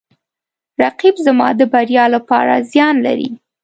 رقیب زما د بریا لپاره زیان لري